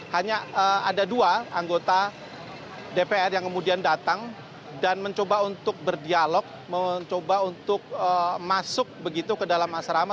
hanya ada dua anggota dpr yang kemudian datang dan mencoba untuk berdialog mencoba untuk masuk begitu ke dalam asrama